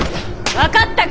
分かったか！